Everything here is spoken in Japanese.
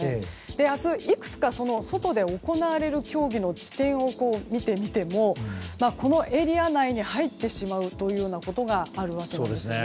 明日、いくつか外で行われる競技の地点を見てみてもこのエリア内に入ってしまうというようなことがあるわけなんです。